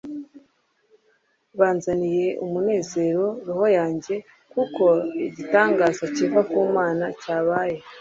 byanzaniye umunezero roho yanjye, kuko igitangaza kiva ku mana cyabaye